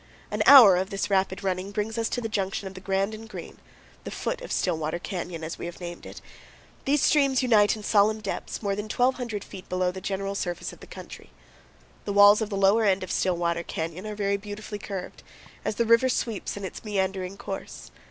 An hour of this rapid running brings us to the junction of the Grand and Green, the foot of Stillwater Canyon, as we have named it. These streams unite in solemn depths, more than 1,200 feet below the general surface of the country. The walls of the lower end of Stillwater Canyon are very beautifully curved, as the river sweeps in its meandering course.